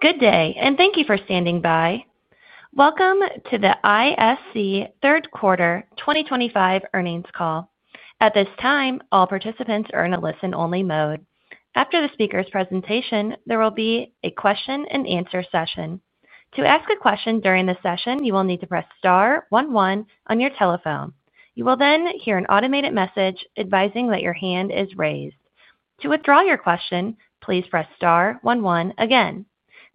Good day, and thank you for standing by. Welcome to the ISC Third Quarter 2025 earnings call. At this time, all participants are in a listen-only mode. After the speaker's presentation, there will be a question-and-answer session. To ask a question during the session, you will need to press star one one on your telephone. You will then hear an automated message advising that your hand is raised. To withdraw your question, please press star one one again.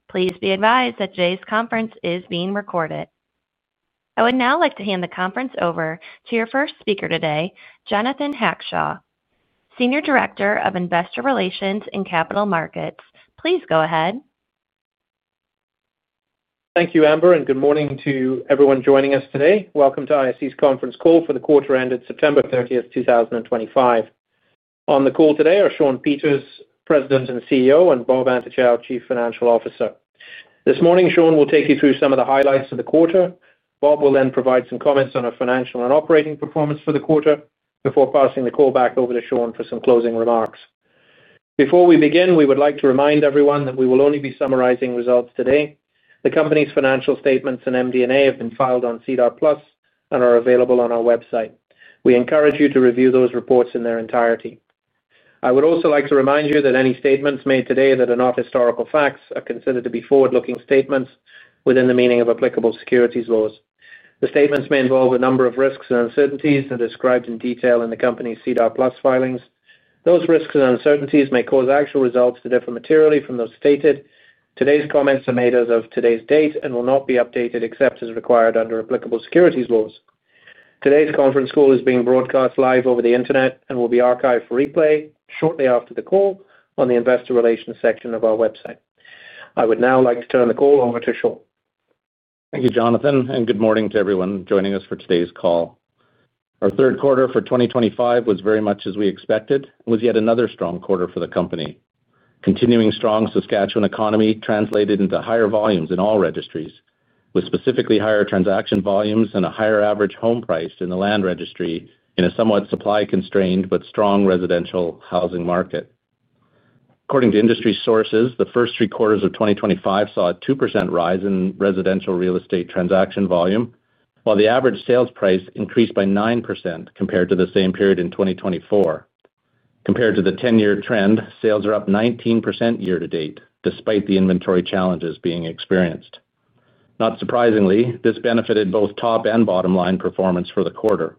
Please be advised that today's conference is being recorded. I would now like to hand the conference over to your first speaker today, Jonathan Hackshaw, Senior Director of Investor Relations and Capital Markets. Please go ahead. Thank you, Amber, and good morning to everyone joining us today. Welcome to ISC's conference call for the quarter ended September 30, 2025. On the call today are Shawn Peters, President and CEO, and Bob Antochow, Chief Financial Officer. This morning, Shawn will take you through some of the highlights of the quarter. Bob will then provide some comments on our financial and operating performance for the quarter before passing the call back over to Shawn for some closing remarks. Before we begin, we would like to remind everyone that we will only be summarizing results today. The company's financial statements and MD&A have been filed on SEDAR+ and are available on our website. We encourage you to review those reports in their entirety. I would also like to remind you that any statements made today that are not historical facts are considered to be forward-looking statements within the meaning of applicable securities laws. The statements may involve a number of risks and uncertainties described in detail in the company's SEDAR+ filings. Those risks and uncertainties may cause actual results to differ materially from those stated. Today's comments are made as of today's date and will not be updated except as required under applicable securities laws. Today's conference call is being broadcast live over the internet and will be archived for replay shortly after the call on the Investor Relations section of our website. I would now like to turn the call over to Shawn. Thank you, Jonathan, and good morning to everyone joining us for today's call. Our third quarter for 2025 was very much as we expected, was yet another strong quarter for the company. Continuing strong Saskatchewan economy translated into higher volumes in all registries, with specifically higher transaction volumes and a higher average home price in the land registry in a somewhat supply-constrained but strong residential housing market. According to industry sources, the first three quarters of 2025 saw a 2% rise in residential real estate transaction volume, while the average sales price increased by 9% compared to the same period in 2024. Compared to the 10-year trend, sales are up 19% year to date, despite the inventory challenges being experienced. Not surprisingly, this benefited both top and bottom line performance for the quarter.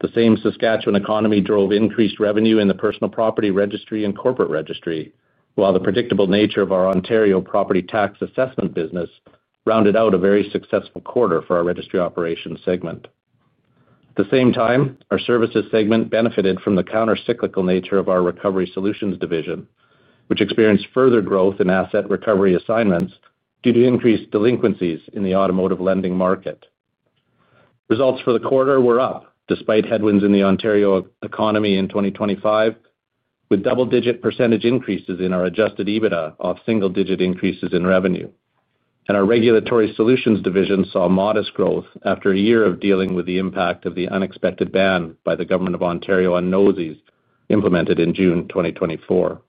The same Saskatchewan economy drove increased revenue in the Personal Property Registry and Corporate Registry, while the predictable nature of our Ontario property tax assessment business rounded out a very successful quarter for our Registry Operations segment. At the same time, our Services segment benefited from the countercyclical nature of our Recovery Solutions division, which experienced further growth in asset recovery assignments due to increased delinquencies in the automotive lending market. Results for the quarter were up despite headwinds in the Ontario economy in 2025, with double-digit percentage increases in our Adjusted EBITDA off single-digit increases in revenue. Our Regulatory Solutions division saw modest growth after a year of dealing with the impact of the unexpected ban by the Government of Ontario on NOSIs implemented in June 2024.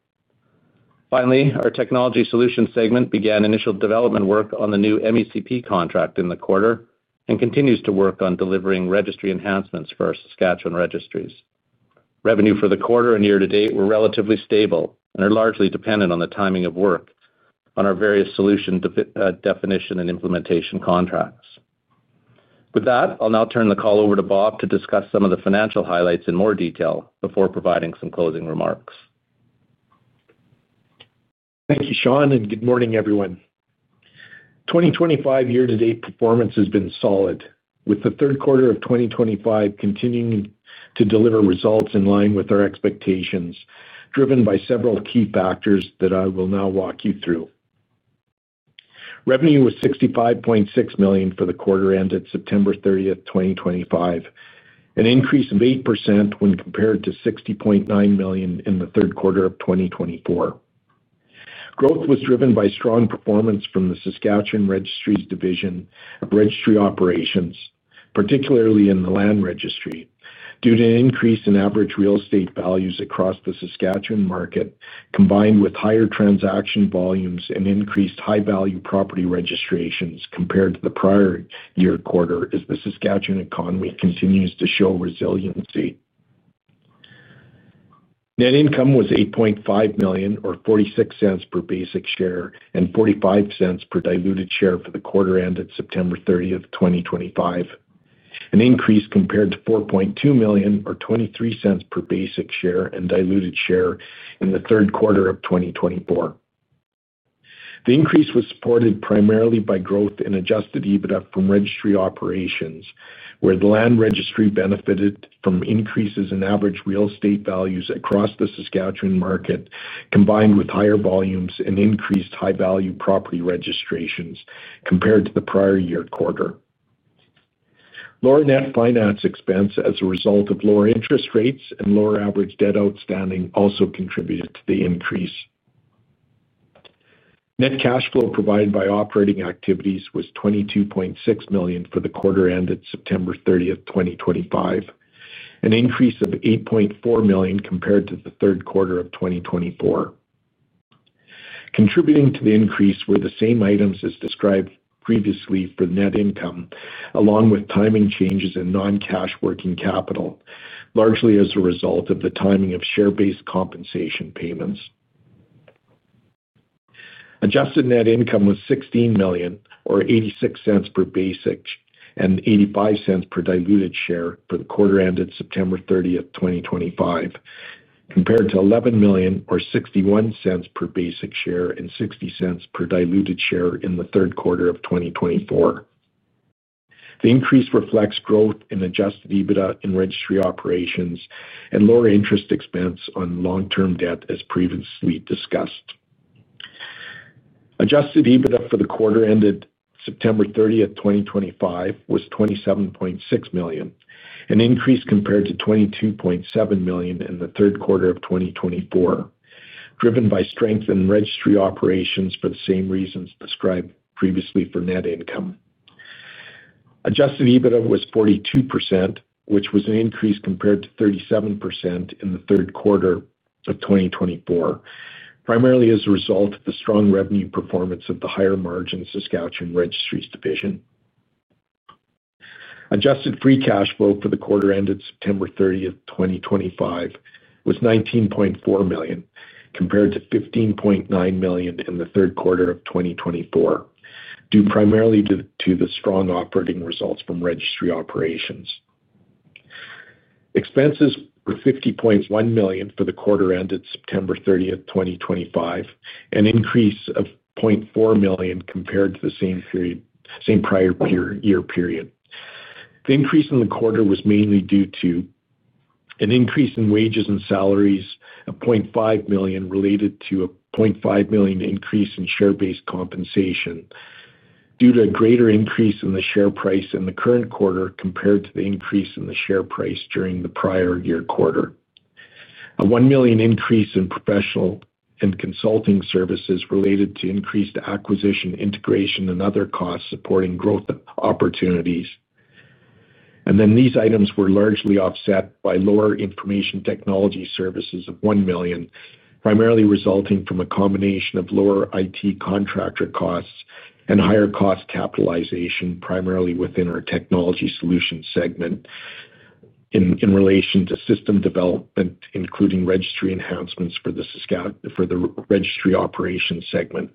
Finally, our Technology Solutions segment began initial development work on the new MECP contract in the quarter and continues to work on delivering registry enhancements for our Saskatchewan registries. Revenue for the quarter and year to date were relatively stable and are largely dependent on the timing of work on our various solution definition and implementation contracts. With that, I'll now turn the call over to Bob to discuss some of the financial highlights in more detail before providing some closing remarks. Thank you, Shawn, and good morning, everyone. 2025 year-to-date performance has been solid, with the third quarter of 2025 continuing to deliver results in line with our expectations, driven by several key factors that I will now walk you through. Revenue was 65.6 million for the quarter ended September 30th, 2025. An increase of 8% when compared to 60.9 million in the third quarter of 2024. Growth was driven by strong performance from the Saskatchewan registries division of registry operations, particularly in the Land Registry, due to an increase in average real estate values across the Saskatchewan market, combined with higher transaction volumes and increased high-value property registrations compared to the prior year quarter as the Saskatchewan economy continues to show resiliency. Net income was 8.5 million, or 0.46 per basic share, and 0.45 per diluted share for the quarter ended September 30th, 2025. An increase compared to 4.2 million, or 0.23 per basic share and diluted share in the third quarter of 2024. The increase was supported primarily by growth in Adjusted EBITDA from registry operations, where the Land Registry benefited from increases in average real estate values across the Saskatchewan market, combined with higher volumes and increased high-value property registrations compared to the prior year quarter. Lower net finance expense as a result of lower interest rates and lower average debt outstanding also contributed to the increase. Net cash flow provided by operating activities was 22.6 million for the quarter ended September 30th, 2025. An increase of 8.4 million compared to the third quarter of 2024. Contributing to the increase were the same items as described previously for net income, along with timing changes in non-cash working capital, largely as a result of the timing of share-based compensation payments. Adjusted net income was 16 million, or 0.86 per basic and 0.85 per diluted share for the quarter ended September 30th, 2025. Compared to 11 million, or 0.61 per basic share and 0.60 per diluted share in the third quarter of 2024. The increase reflects growth in Adjusted EBITDA in registry operations and lower interest expense on long-term debt, as previously discussed. Adjusted EBITDA for the quarter ended September 30, 2025, was 27.6 million, an increase compared to 22.7 million in the third quarter of 2024. Driven by strength in registry operations for the same reasons described previously for net income. Adjusted EBITDA was 42%, which was an increase compared to 37% in the third quarter of 2024. Primarily as a result of the strong revenue performance of the higher margin Saskatchewan registries division. Adjusted Free Cash Flow for the quarter ended September 30th, 2025, was 19.4 million compared to 15.9 million in the third quarter of 2024. Due primarily to the strong operating results from registry operations. Expenses were 50.1 million for the quarter ended September 30th, 2025, an increase of 0.4 million compared to the same prior year period. The increase in the quarter was mainly due to an increase in wages and salaries of 0.5 million related to a 0.5 million increase in share-based compensation due to a greater increase in the share price in the current quarter compared to the increase in the share price during the prior year quarter. A 1 million increase in professional and consulting services related to increased acquisition integration and other costs supporting growth opportunities. These items were largely offset by lower information technology services of 1 million, primarily resulting from a combination of lower IT contractor costs and higher cost capitalization, primarily within our Technology Solutions segment. In relation to system development, including registry enhancements for the Registry Operations segment.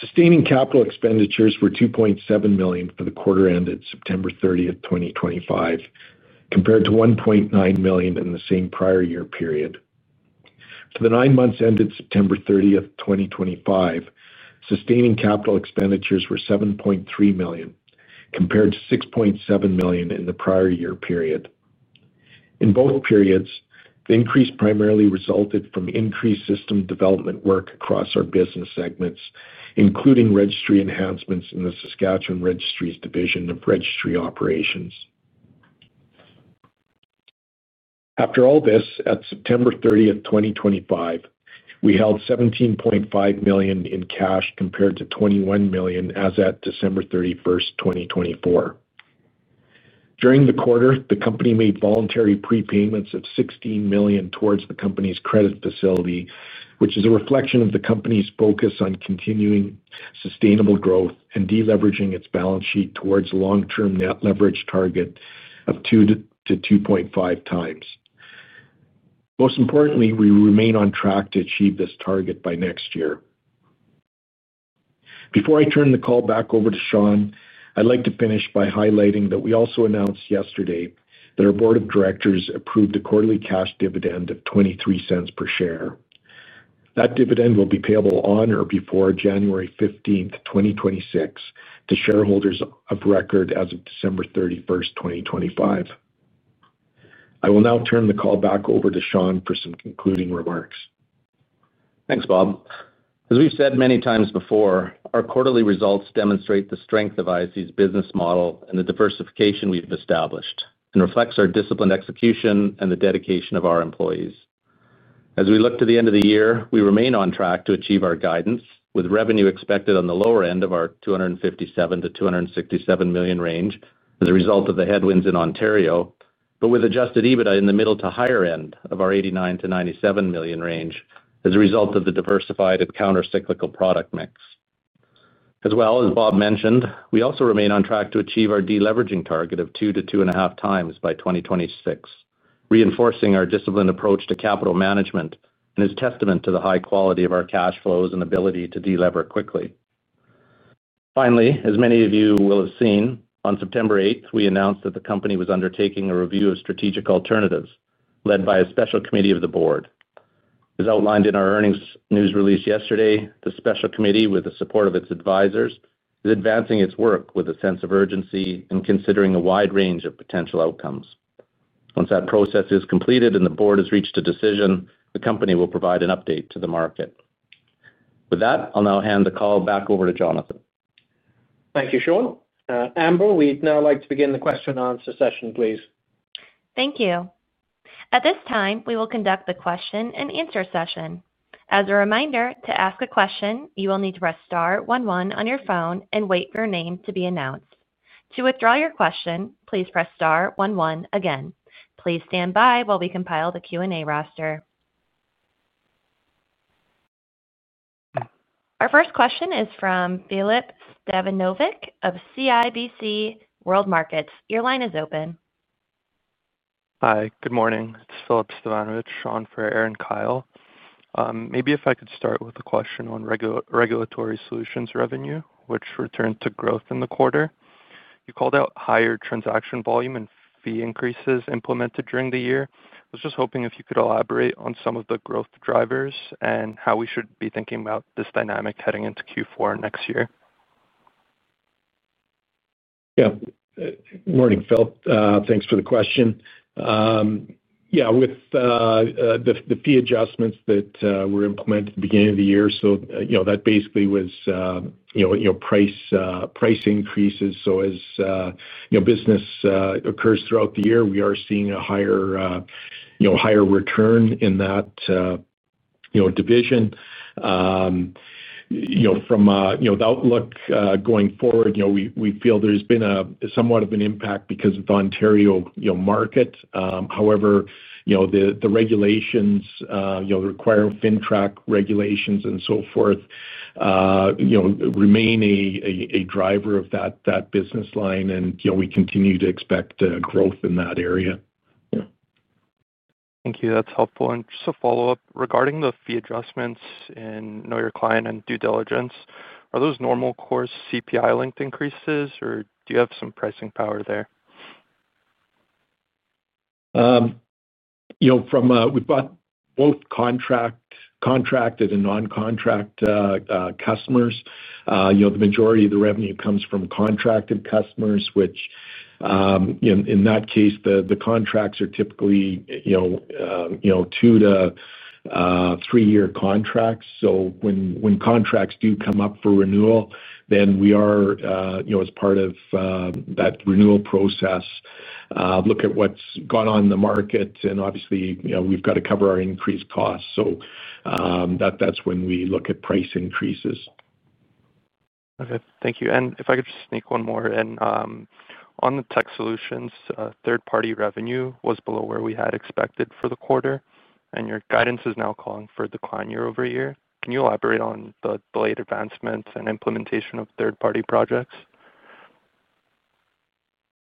Sustaining capital expenditures were 2.7 million for the quarter ended September 30th, 2025, compared to 1.9 million in the same prior year period. For the nine months ended September 30th, 2025, sustaining capital expenditures were 7.3 million compared to 6.7 million in the prior year period. In both periods, the increase primarily resulted from increased system development work across our business segments, including registry enhancements in the Saskatchewan registries division of Registry Operations. After all this, at September 30th, 2025, we held 17.5 million in cash compared to 21 million as at December 31st, 2024. During the quarter, the company made voluntary prepayments of 16 million towards the company's credit facility, which is a reflection of the company's focus on continuing sustainable growth and deleveraging its balance sheet towards a long-term net leverage target of 2x-2.5x. Most importantly, we remain on track to achieve this target by next year. Before I turn the call back over to Shawn, I'd like to finish by highlighting that we also announced yesterday that our board of directors approved a quarterly cash dividend of 0.23 per share. That dividend will be payable on or before January 15th, 2026, to shareholders of record as of December 31st, 2025. I will now turn the call back over to Shawn for some concluding remarks. Thanks, Bob. As we've said many times before, our quarterly results demonstrate the strength of ISC's business model and the diversification we've established and reflects our disciplined execution and the dedication of our employees. As we look to the end of the year, we remain on track to achieve our guidance, with revenue expected on the lower end of our 257 million-267 million range as a result of the headwinds in Ontario, but with Adjusted EBITDA in the middle to higher end of our 89 million-97 million range as a result of the diversified and countercyclical product mix. As well as Bob mentioned, we also remain on track to achieve our deleveraging target of 2x-2.5x by 2026, reinforcing our disciplined approach to capital management and is testament to the high quality of our cash flows and ability to delever quickly. Finally, as many of you will have seen, on September 8th, we announced that the company was undertaking a review of strategic alternatives led by a special committee of the board. As outlined in our earnings news release yesterday, the special committee, with the support of its advisors, is advancing its work with a sense of urgency and considering a wide range of potential outcomes. Once that process is completed and the board has reached a decision, the company will provide an update to the market. With that, I'll now hand the call back over to Jonathan. Thank you, Shawn. Amber, we'd now like to begin the question and answer session, please. Thank you. At this time, we will conduct the question and answer session. As a reminder, to ask a question, you will need to press star one one on your phone and wait for your name to be announced. To withdraw your question, please press star one one again. Please stand by while we compile the Q&A roster. Our first question is from Filip Stevanovic of CIBC World Markets. Your line is open. Hi, good morning. It's Filip Stevanovic, on for [Alan Kyle]. Maybe if I could start with a question on regulatory solutions revenue, which returned to growth in the quarter. You called out higher transaction volume and fee increases implemented during the year. I was just hoping if you could elaborate on some of the growth drivers and how we should be thinking about this dynamic heading into Q4 next year. Yeah. Good morning, Filip. Thanks for the question. Yeah, with the fee adjustments that were implemented at the beginning of the year, so that basically was price increases. As business occurs throughout the year, we are seeing a higher return in that division. From the outlook going forward, we feel there's been somewhat of an impact because of the Ontario market. However, the regulations, FINTRAC regulations and so forth, remain a driver of that business line, and we continue to expect growth in that area. Thank you. That's helpful. Just to follow up, regarding the fee adjustments in Know Your Client and Due Diligence, are those normal course CPI-linked increases, or do you have some pricing power there? We've got both contract and non-contract customers. The majority of the revenue comes from contracted customers, which, in that case, the contracts are typically two- to three-year contracts. When contracts do come up for renewal, then we are, as part of that renewal process, looking at what's gone on in the market, and obviously, we've got to cover our increased costs. That's when we look at price increases. Okay. Thank you. If I could just sneak one more in. On the tech solutions, third-party revenue was below where we had expected for the quarter, and your guidance is now calling for a decline year over year. Can you elaborate on the delayed advancements and implementation of third-party projects?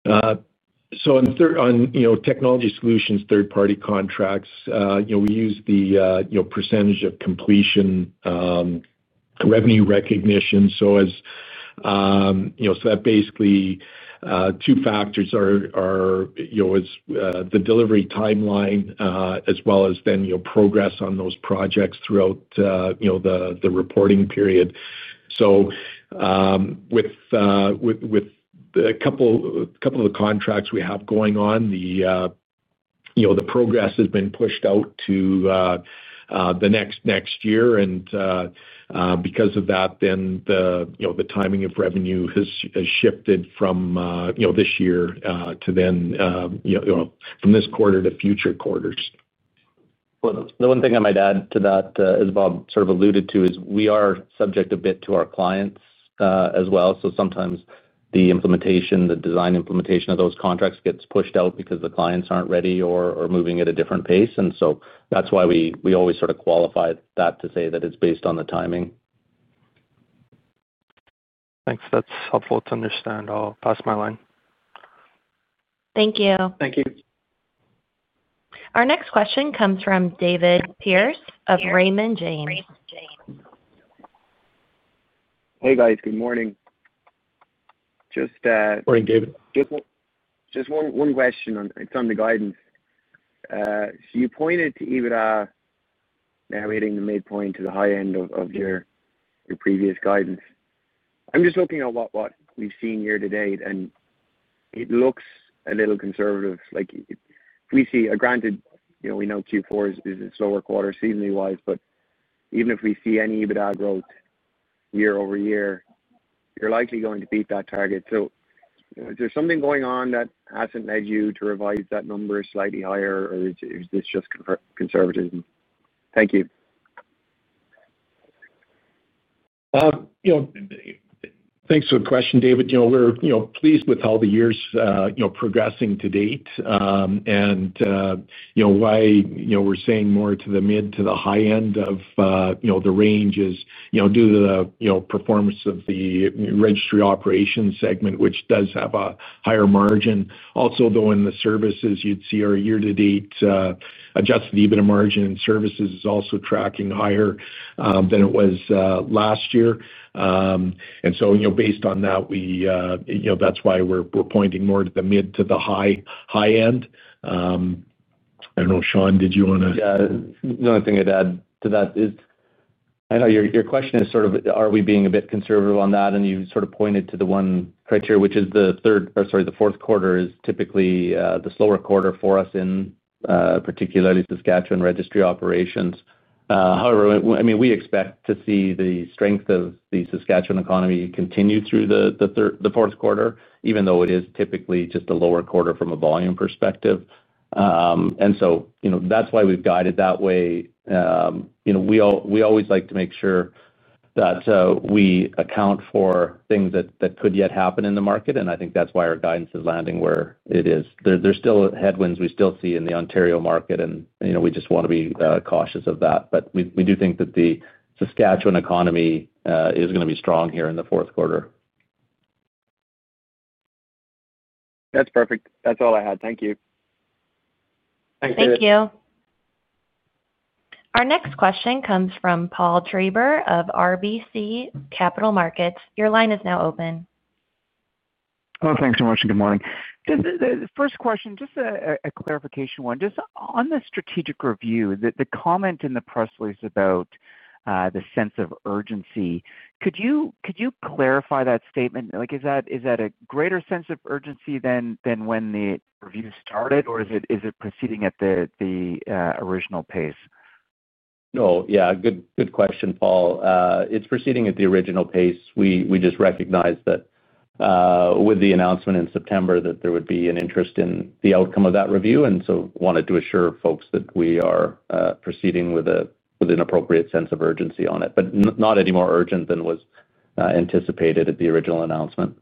On Technology Solutions, third-party contracts, we use the percentage of completion revenue recognition. That basically, two factors are the delivery timeline as well as then progress on those projects throughout the reporting period. With a couple of the contracts we have going on, the progress has been pushed out to the next year. Because of that, then the timing of revenue has shifted from this year to then from this quarter to future quarters. The one thing I might add to that, as Bob sort of alluded to, is we are subject a bit to our clients as well. Sometimes the design implementation of those contracts gets pushed out because the clients are not ready or moving at a different pace. That is why we always sort of qualify that to say that it is based on the timing. Thanks. That's helpful to understand. I'll pass my line. Thank you. Thank you. Our next question comes from David Pearce of Raymond James. Hey, guys. Good morning. Just. Morning, David. Just one question on the guidance. You pointed to EBITDA. Now hitting the midpoint to the high end of your previous guidance. I'm just looking at what we've seen year to date, and it looks a little conservative. If we see a, granted, we know Q4 is a slower quarter seasonally-wise, but even if we see any EBITDA growth year over year, you're likely going to beat that target. Is there something going on that hasn't led you to revise that number slightly higher, or is this just conservativism? Thank you. Thanks for the question, David. We're pleased with how the year's progressing to date. Why we're saying more to the mid to the high end of the range is due to the performance of the registry operations segment, which does have a higher margin. Also, though, in the services, you'd see our year-to-date Adjusted EBITDA margin in services is also tracking higher than it was last year. Based on that, that's why we're pointing more to the mid to the high end. I don't know, Shawn, did you want to? Yeah. The only thing I'd add to that is, I know your question is sort of, are we being a bit conservative on that? You sort of pointed to the one criteria, which is the third, or sorry, the fourth quarter is typically the slower quarter for us in particularly Saskatchewan registry operations. However, I mean, we expect to see the strength of the Saskatchewan economy continue through the fourth quarter, even though it is typically just a lower quarter from a volume perspective. That is why we've guided that way. We always like to make sure that we account for things that could yet happen in the market. I think that's why our guidance is landing where it is. There are still headwinds we still see in the Ontario market, and we just want to be cautious of that. We do think that the Saskatchewan economy is going to be strong here in the fourth quarter. That's perfect. That's all I had. Thank you. Thank you. Thank you. Our next question comes from Paul Treiber of RBC Capital Markets. Your line is now open. Thanks so much. Good morning. First question, just a clarification one. Just on the strategic review, the comment in the press release about the sense of urgency, could you clarify that statement? Is that a greater sense of urgency than when the review started, or is it proceeding at the original pace? No. Yeah. Good question, Paul. It's proceeding at the original pace. We just recognized that. With the announcement in September that there would be an interest in the outcome of that review, and so wanted to assure folks that we are proceeding with an appropriate sense of urgency on it, but not any more urgent than was anticipated at the original announcement.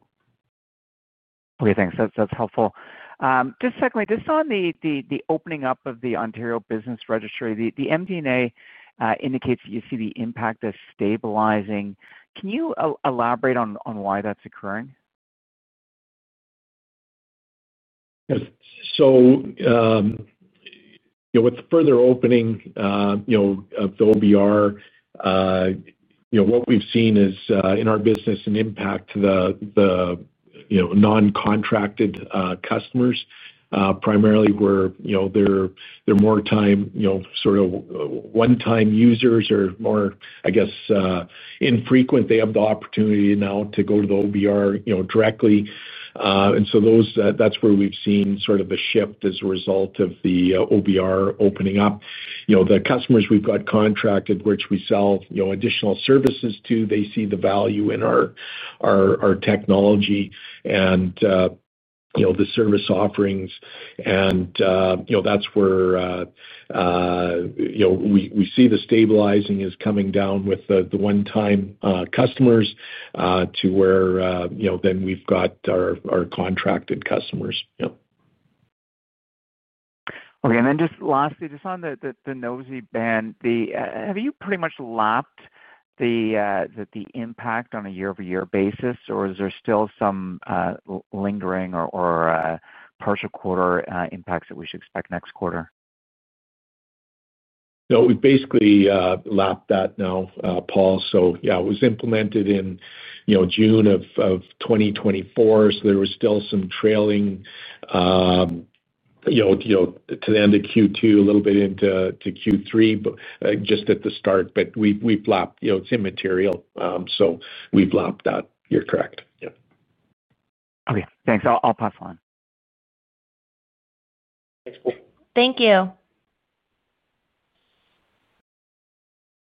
Okay. Thanks. That's helpful. Just secondly, just on the opening up of the Ontario Business Registry, the MD&A indicates that you see the impact as stabilizing. Can you elaborate on why that's occurring? With further opening of the OBR, what we've seen is, in our business, an impact to the non-contracted customers, primarily where they're more sort of one-time users or more, I guess, infrequent. They have the opportunity now to go to the OBR directly. That's where we've seen sort of the shift as a result of the OBR opening up. The customers we've got contracted, which we sell additional services to, they see the value in our technology and the service offerings. That's where we see the stabilizing is coming down with the one-time customers to where then we've got our contracted customers. Okay. And then just lastly, just on the NOSI ban, have you pretty much lapped the impact on a year-over-year basis, or is there still some lingering or partial quarter impacts that we should expect next quarter? We've basically lapped that now, Paul. Yeah, it was implemented in June of 2024. There was still some trailing to the end of Q2, a little bit into Q3, just at the start. We've lapped it. It's immaterial. We've lapped that. You're correct. Yeah. Okay. Thanks. I'll pass on. Thanks, Paul. Thank you.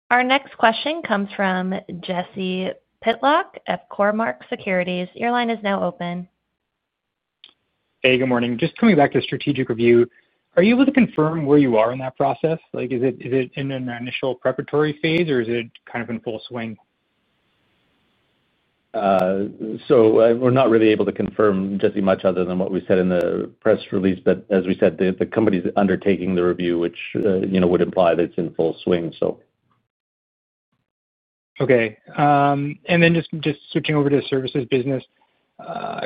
Our next question comes from Jesse Pytlak at Cormark Securities. Your line is now open. Hey, good morning. Just coming back to strategic review. Are you able to confirm where you are in that process? Is it in an initial preparatory phase, or is it kind of in full swing? We're not really able to confirm just as much other than what we said in the press release. As we said, the company is undertaking the review, which would imply that it's in full swing. Okay. Just switching over to services business.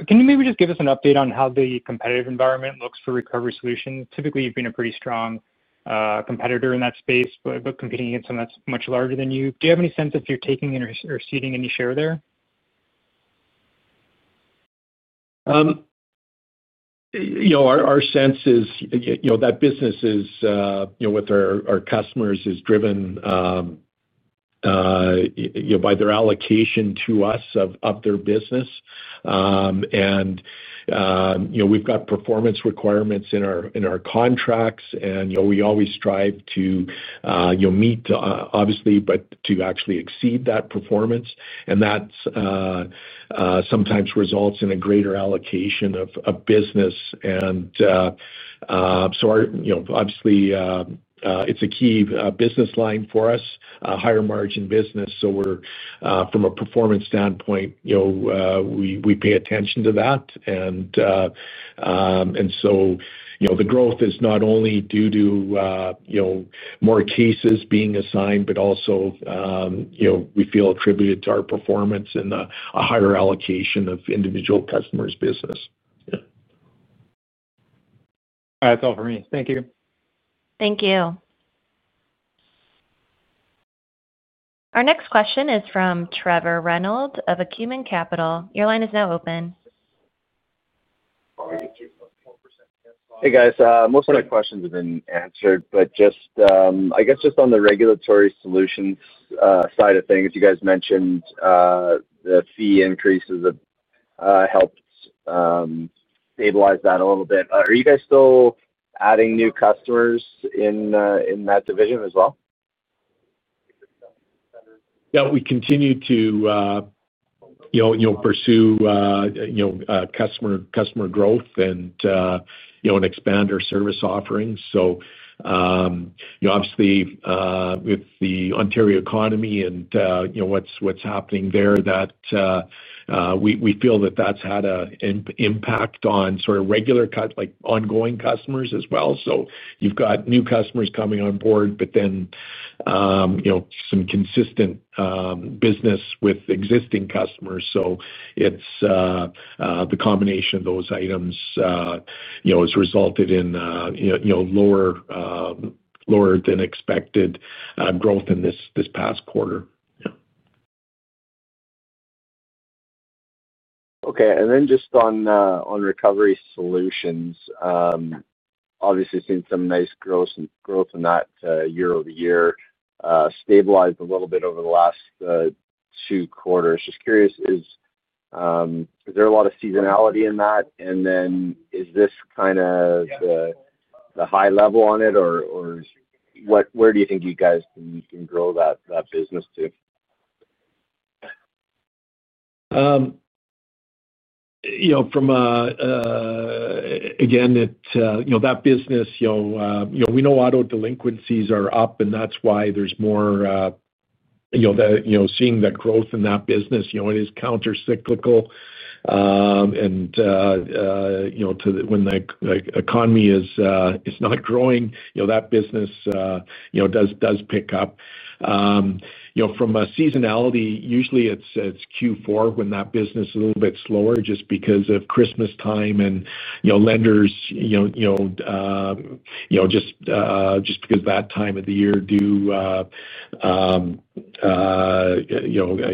Can you maybe just give us an update on how the competitive environment looks for Recovery Solutions? Typically, you've been a pretty strong competitor in that space, but competing against someone that's much larger than you. Do you have any sense if you're taking or ceding any share there? Our sense is that business with our customers is driven by their allocation to us of their business. We have performance requirements in our contracts, and we always strive to meet, obviously, but to actually exceed that performance. That sometimes results in a greater allocation of business. Obviously, it is a key business line for us, higher margin business. From a performance standpoint, we pay attention to that. The growth is not only due to more cases being assigned, but also we feel attributed to our performance and a higher allocation of individual customers' business. Yeah. That's all for me. Thank you. Thank you. Our next question is from Trevor Reynolds of Acumen Capital. Your line is now open. Hey, guys. Most of my questions have been answered. I guess just on the Regulatory Solutions side of things, you guys mentioned the fee increases have helped stabilize that a little bit. Are you guys still adding new customers in that division as well? Yeah. We continue to pursue customer growth and expand our service offerings. Obviously, with the Ontario economy and what's happening there, we feel that that's had an impact on sort of regular, ongoing customers as well. You've got new customers coming on board, but then some consistent business with existing customers. The combination of those items has resulted in lower than expected growth in this past quarter. Yeah. Okay. And then just on Recovery Solutions. Obviously seen some nice growth in that year over year, stabilized a little bit over the last two quarters. Just curious. Is there a lot of seasonality in that? And then is this kind of the high level on it, or where do you think you guys can grow that business to? Again, that business. We know auto delinquencies are up, and that's why there's more. Seeing that growth in that business. It is countercyclical. When the economy is not growing, that business does pick up. From a seasonality, usually it's Q4 when that business is a little bit slower just because of Christmas time and lenders. Just because that time of the year do,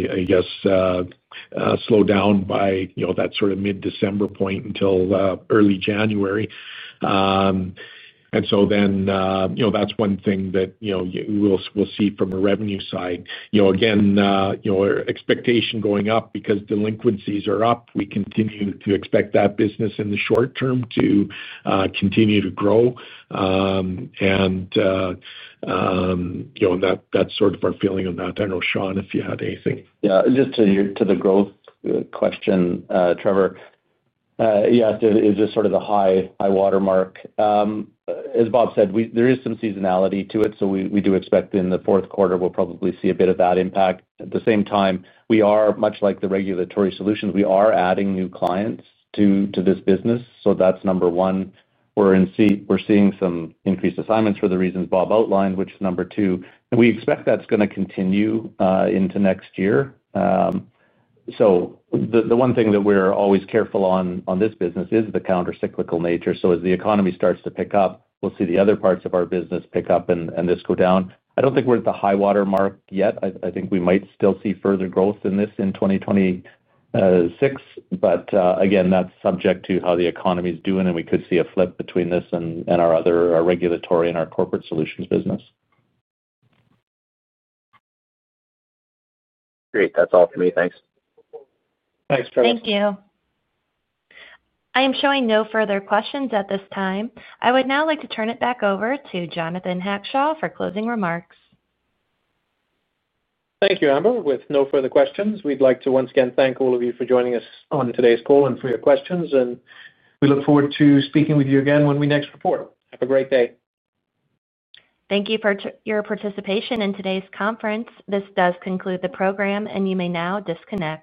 I guess, slow down by that sort of mid-December point until early January. That is one thing that we'll see from a revenue side. Again, expectation going up because delinquencies are up. We continue to expect that business in the short term to continue to grow. That is sort of our feeling on that. I don't know, Shawn, if you had anything. Yeah. Just to the growth question, Trevor. Yeah. It is just sort of the high watermark. As Bob said, there is some seasonality to it. We do expect in the fourth quarter, we will probably see a bit of that impact. At the same time, we are, much like the Regulatory Solutions, we are adding new clients to this business. That is number one. We are seeing some increased assignments for the reasons Bob outlined, which is number two. We expect that is going to continue into next year. The one thing that we are always careful on in this business is the countercyclical nature. As the economy starts to pick up, we will see the other parts of our business pick up and this go down. I do not think we are at the high watermark yet. I think we might still see further growth in this in 2026. Again, that's subject to how the economy is doing. We could see a flip between this and our regulatory and our corporate solutions business. Great. That's all for me. Thanks. Thanks, Trevor. Thank you. I am showing no further questions at this time. I would now like to turn it back over to Jonathan Hackshaw for closing remarks. Thank you, Amber. With no further questions, we'd like to once again thank all of you for joining us on today's call and for your questions. We look forward to speaking with you again when we next report. Have a great day. Thank you for your participation in today's conference. This does conclude the program, and you may now disconnect.